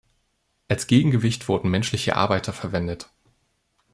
Als Gegengewicht wurden menschliche Arbeiter verwendet.